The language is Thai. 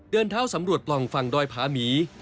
เดินเท้าสำรวจปล่องฝั่งดอยผาหมี